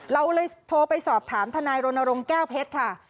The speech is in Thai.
เราเลยโทรไปสอบถามทนายรณรงค์แก้วเพชรค่ะ